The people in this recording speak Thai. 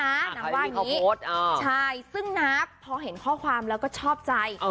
นะว่างนี้เขามีเขาโพสต์นะใช่ซึ่งนักพอเห็นค้อความแล้วก็ชอบใจ